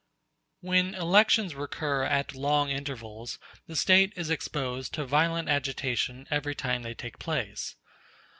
When elections recur at long intervals the State is exposed to violent agitation every time they take place.